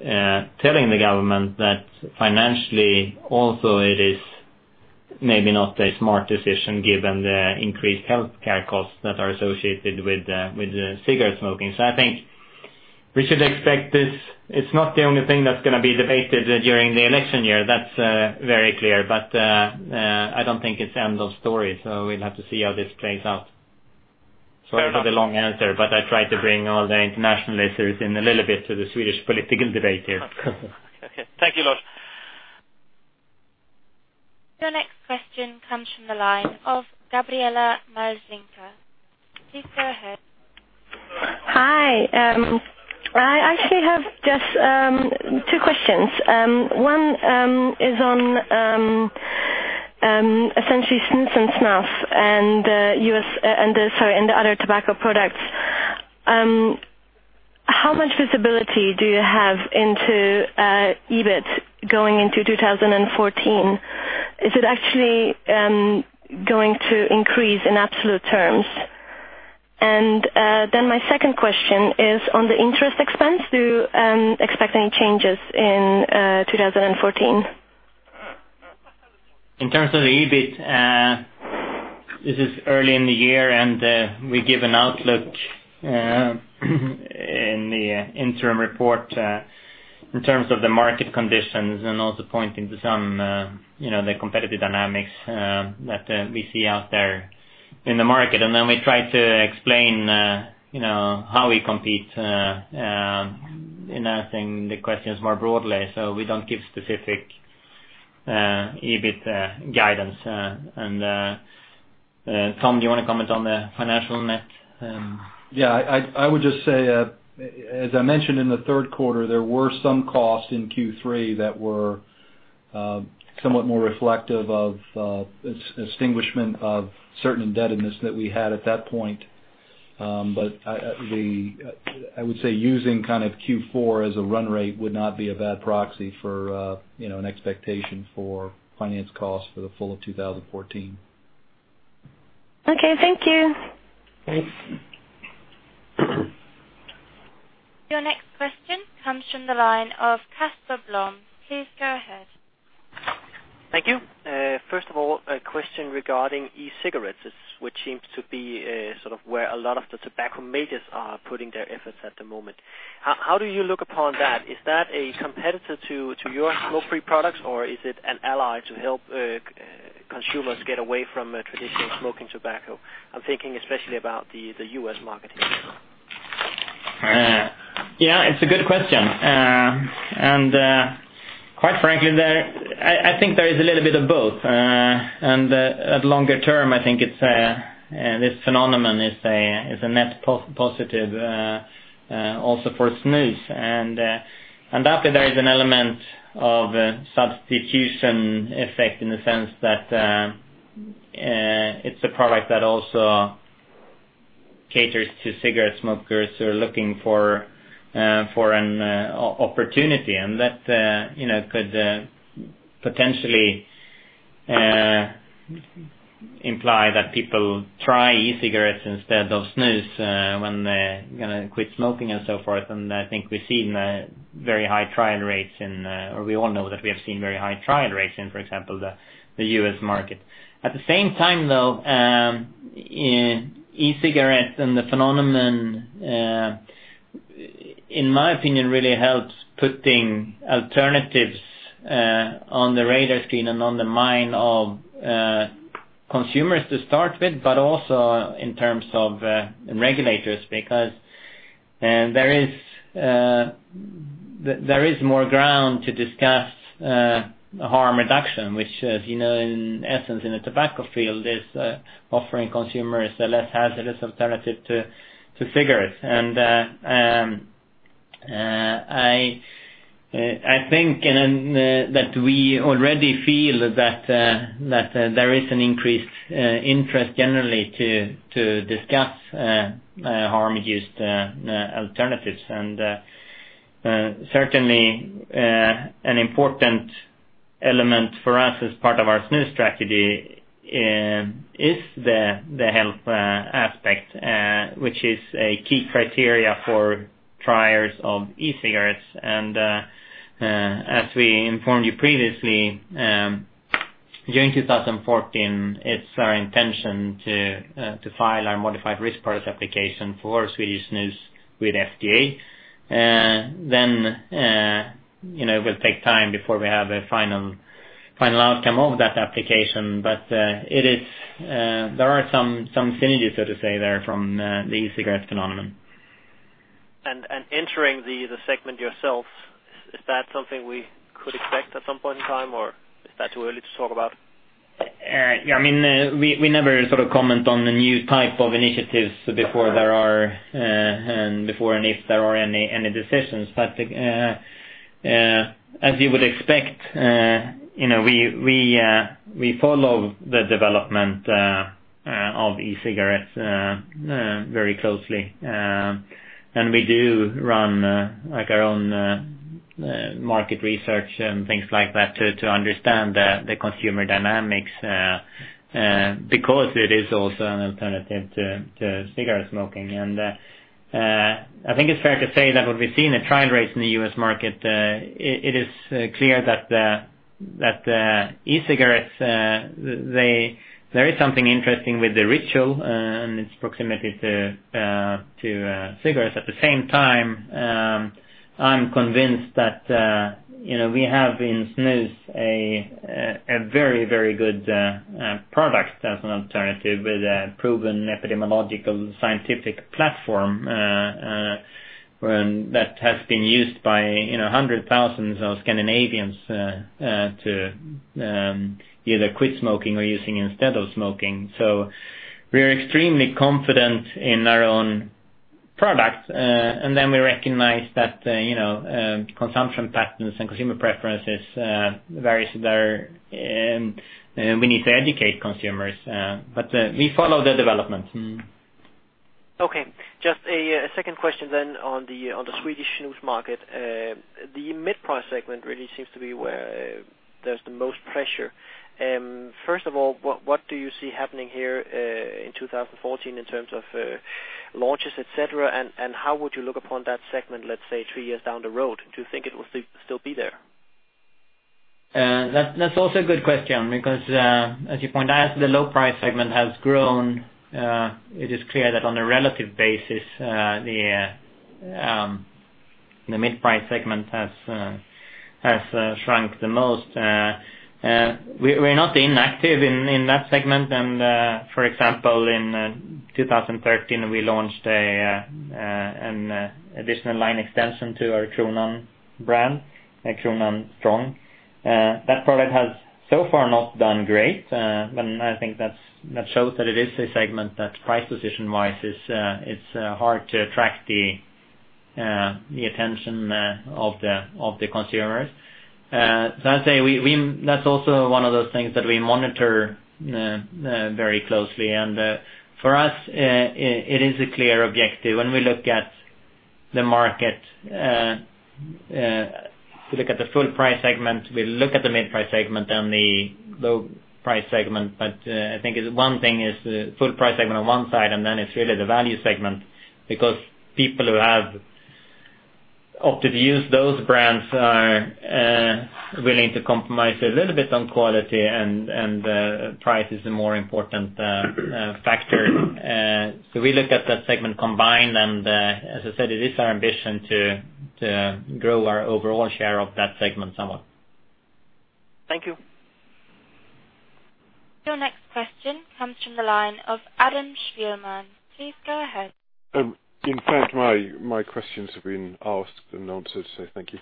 telling the government that financially also it is maybe not a smart decision given the increased healthcare costs that are associated with cigarette smoking. I think we should expect this. It's not the only thing that's going to be debated during the election year. That's very clear. I don't think it's end of story. We'll have to see how this plays out. Sorry for the long answer, I tried to bring all the international listeners in a little bit to the Swedish political debate here. Okay. Thank you a lot. Your next question comes from the line of [Gabriella Mrazinca]. Please go ahead. Hi. I actually have just two questions. One is on essentially snus and snuff and the other tobacco products. How much visibility do you have into EBIT going into 2014? Is it actually going to increase in absolute terms? My second question is on the interest expense. Do you expect any changes in 2014? In terms of the EBIT, this is early in the year, and we give an outlook in the interim report in terms of the market conditions and also pointing to some the competitive dynamics that we see out there in the market. We try to explain how we compete in answering the questions more broadly, so we don't give specific EBIT guidance. Tom, do you want to comment on the financial net? Yeah. I would just say, as I mentioned in the third quarter, there were some costs in Q3 that were somewhat more reflective of extinguishment of certain indebtedness that we had at that point. I would say using kind of Q4 as a run rate would not be a bad proxy for an expectation for finance costs for the full of 2014. Okay. Thank you. Thanks. Your next question comes from the line of Casper Blom. Please go ahead. Thank you. First of all, a question regarding e-cigarettes, which seems to be sort of where a lot of the tobacco majors are putting their efforts at the moment. How do you look upon that? Is that a competitor to your smoke-free products, or is it an ally to help consumers get away from traditional smoking tobacco? I'm thinking especially about the U.S. market here. Yeah, it's a good question. Quite frankly, I think there is a little bit of both. At longer term, I think this phenomenon is a net positive also for snus. That there is an element of substitution effect in the sense that it's a product that also caters to cigarette smokers who are looking for an opportunity. That could potentially imply that people try e-cigarettes instead of snus when they're going to quit smoking and so forth. I think we're seeing very high trial rates, and we all know that we have seen very high trial rates in, for example, the U.S. market. At the same time, though, e-cigarettes and the phenomenon, in my opinion, really helps putting alternatives on the radar screen and on the mind of consumers to start with, but also in terms of regulators, because there is more ground to discuss harm reduction, which, as you know, in essence, in the tobacco field, is offering consumers a less hazardous alternative to cigarettes. I think that we already feel that there is an increased interest generally to discuss harm reduced alternatives and certainly an important element for us as part of our snus strategy is the health aspect, which is a key criteria for triers of e-cigarettes. As we informed you previously, during 2014, it's our intention to file our modified risk tobacco product application for Swedish snus with FDA. It will take time before we have a final outcome of that application. There are some synergies, so to say, there from the e-cigarettes phenomenon. Entering the segment yourself, is that something we could expect at some point in time, or is that too early to talk about? We never comment on the new type of initiatives before and if there are any decisions. As you would expect, we follow the development of e-cigarettes very closely. We do run our own market research and things like that to understand the consumer dynamics, because it is also an alternative to cigarette smoking. I think it's fair to say that what we've seen at trial rates in the U.S. market, it is clear that e-cigarettes, there is something interesting with the ritual and its proximity to cigarettes. At the same time, I'm convinced that we have in snus a very, very good product as an alternative with a proven epidemiological scientific platform that has been used by hundred thousands of Scandinavians to either quit smoking or using instead of smoking. We are extremely confident in our own product. We recognize that consumption patterns and consumer preferences varies there, and we need to educate consumers. We follow the development. Okay. Just a second question on the Swedish snus market. The mid-price segment really seems to be where there's the most pressure. First of all, what do you see happening here in 2014 in terms of launches, et cetera, and how would you look upon that segment, let's say, three years down the road? Do you think it will still be there? That's also a good question because, as you point out, the low price segment has grown. It is clear that on a relative basis, the mid-price segment has shrunk the most. We're not inactive in that segment. For example, in 2013, we launched an additional line extension to our Kronan brand, Kronan Strong. That product has so far not done great, I think that shows that it is a segment that price position-wise, it's hard to attract the attention of the consumers. I'd say that's also one of those things that we monitor very closely. For us, it is a clear objective when we look at the market, we look at the full price segment, we look at the mid-price segment and the low price segment. I think one thing is the full price segment on one side, then it's really the value segment, because people who have opted to use those brands are willing to compromise a little bit on quality and price is a more important factor. We look at that segment combined, as I said, it is our ambition to grow our overall share of that segment somewhat. Thank you. Your next question comes from the line of Adam Spielman. Please go ahead. In fact, my questions have been asked and answered, so thank you.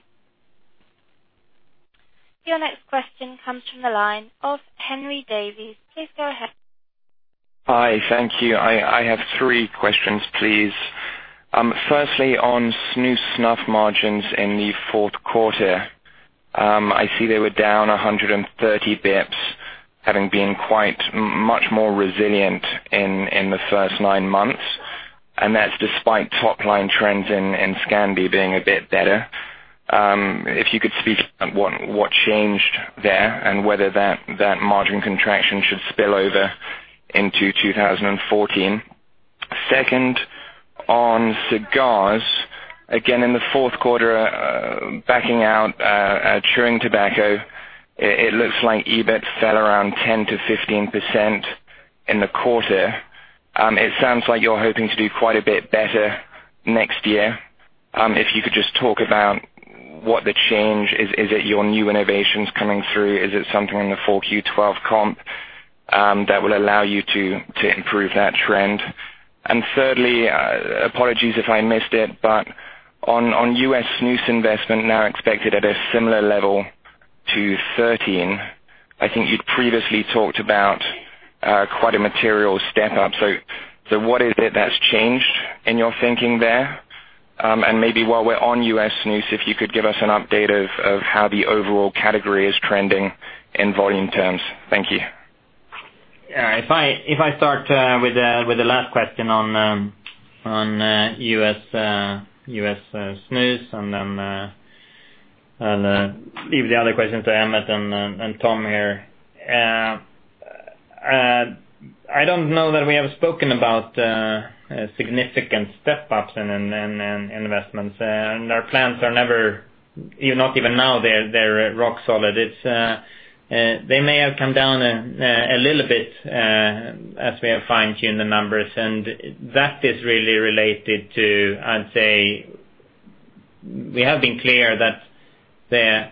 Your next question comes from the line of Henry Davies. Please go ahead. Hi. Thank you. I have three questions, please. Firstly, on snus snuff margins in the fourth quarter. I see they were down 130 basis points, having been quite much more resilient in the first nine months, and that's despite top-line trends in Scandi being a bit better. If you could speak on what changed there and whether that margin contraction should spill over into 2014. Second, on cigars. Again, in the fourth quarter, backing out chewing tobacco, it looks like EBIT fell around 10%-15% in the quarter. It sounds like you're hoping to do quite a bit better next year. If you could just talk about what the change is. Is it your new innovations coming through? Is it something in the [full Q12 comp] that will allow you to improve that trend? Thirdly, apologies if I missed it, but on US snus investment now expected at a similar level to 2013, I think you'd previously talked about quite a material step up. What is it that's changed in your thinking there? Maybe while we're on US snus, if you could give us an update of how the overall category is trending in volume terms. Thank you. If I start with the last question on US snus, then leave the other question to Emmett and Tom here. I don't know that we have spoken about significant step-ups in investments, our plans are not even now they're rock solid. They may have come down a little bit as we have fine-tuned the numbers. That is really related to, I'd say, we have been clear that the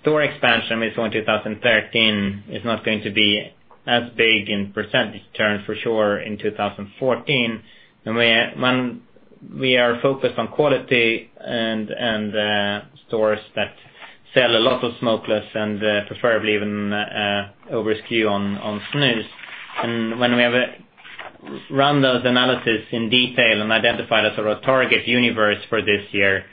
store expansion we saw in 2013 is not going to be as big in percentage terms for sure in 2014. When we are focused on quality and stores that sell a lot of smokeless and preferably even [over SKU] on snus. When we have run those analysis in detail and identified a sort of target universe for this year,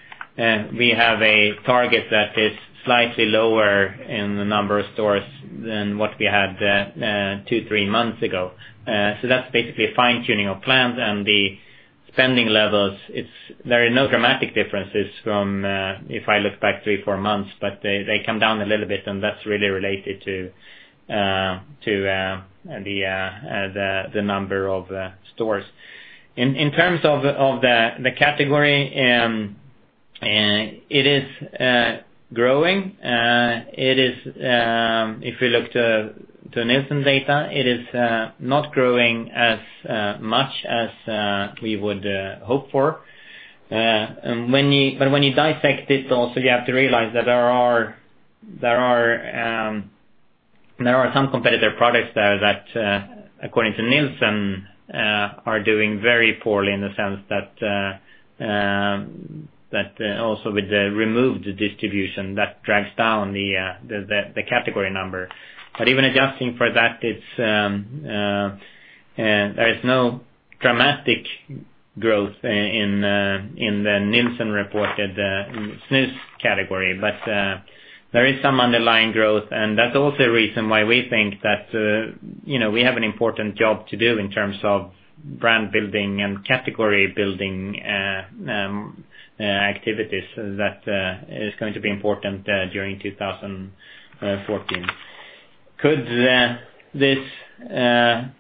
we have a target that is slightly lower in the number of stores than what we had two, three months ago. That's basically a fine-tuning of plans and the spending levels. There are no dramatic differences from, if I look back three, four months, but they come down a little bit and that's really related to the number of stores. In terms of the category, it is growing. If we look to Nielsen data, it is not growing as much as we would hope for. When you dissect it also, you have to realize that there are some competitive products there that, according to Nielsen, are doing very poorly in the sense that also with the removed distribution, that drags down the category number. Even adjusting for that, there is no dramatic growth in the Nielsen-reported snus category. There is some underlying growth, and that's also a reason why we think that we have an important job to do in terms of brand building and category building activities that is going to be important during 2014. Could this trend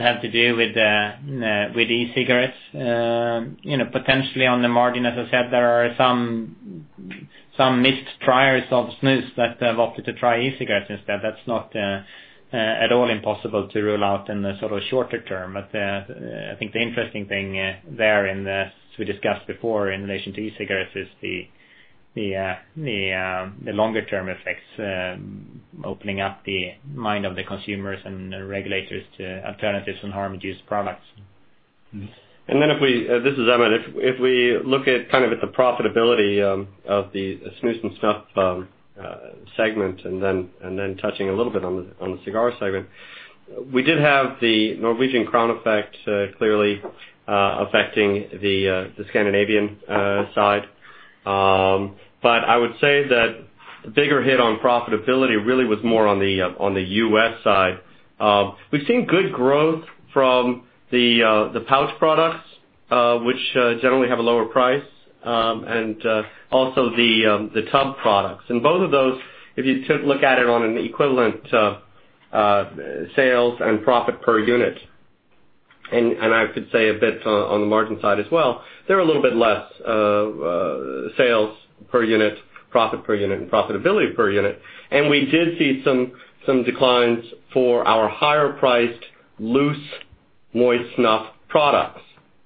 have to do with e-cigarettes? Potentially on the margin, as I said, there are some missed triers of snus that have opted to try e-cigarettes instead. That's not at all impossible to rule out in the shorter term. I think the interesting thing there, as we discussed before in relation to e-cigarettes, is the longer-term effects, opening up the mind of the consumers and regulators to alternatives and harm reduced products. This is Emmett. We look at, kind of at the profitability of the snus and snuff segment, and then touching a little bit on the cigar segment, we did have the Norwegian krone effect clearly affecting the Scandinavian side. I would say that the bigger hit on profitability really was more on the U.S. side. We've seen good growth from the pouch products, which generally have a lower price, and also the tub products. Both of those, if you look at it on an equivalent sales and profit per unit, and I could say a bit on the margin side as well, they're a little bit less sales per unit, profit per unit, and profitability per unit. We did see some declines for our higher priced loose moist snuff products.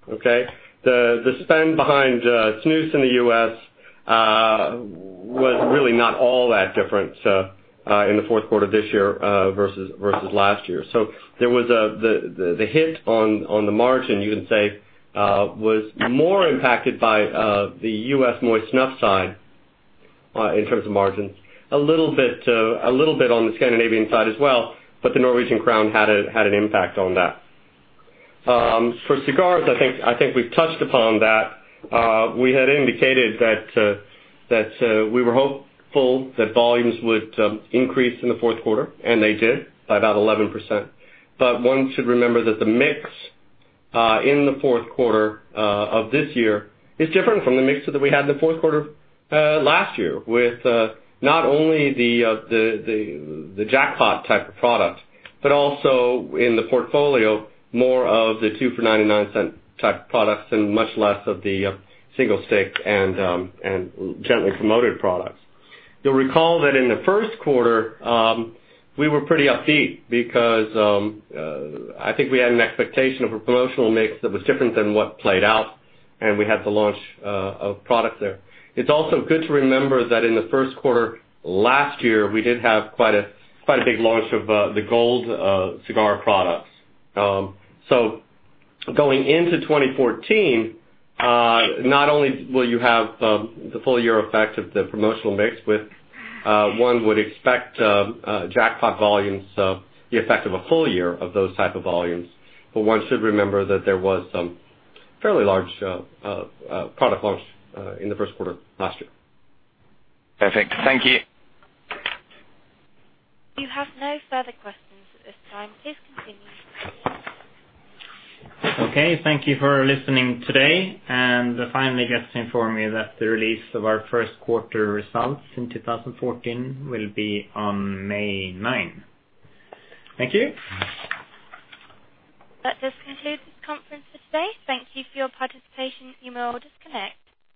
Okay. The spend behind snus in the U.S., was really not all that different in the fourth quarter this year versus last year. The hit on the margin, you can say, was more impacted by the U.S. moist snuff side, in terms of margins, a little bit on the Scandinavian side as well, but the Norwegian krone had an impact on that. For cigars, I think we've touched upon that. We had indicated that we were hopeful that volumes would increase in the fourth quarter, and they did by about 11%. One should remember that the mix in the fourth quarter of this year is different from the mix that we had in the fourth quarter last year. With not only the Jackpot type of product, but also in the portfolio, more of the two for $0.99 type products and much less of the single stick and generally promoted products. You'll recall that in the first quarter, we were pretty upbeat because, I think we had an expectation of a promotional mix that was different than what played out, and we had the launch of products there. It's also good to remember that in the first quarter last year, we did have quite a big launch of the Gold cigar products. Going into 2014, not only will you have the full year effect of the promotional mix with one would expect Jackpot volumes, the effect of a full year of those type of volumes. One should remember that there was some fairly large product launch in the first quarter last year. Perfect. Thank you. You have no further questions at this time. Please continue. Okay, thank you for listening today. Finally, just to inform you that the release of our first quarter results in 2014 will be on May 9. Thank you. That does conclude this conference for today. Thank you for your participation. You may all disconnect.